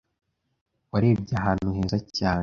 warebye ahantu heza cyane.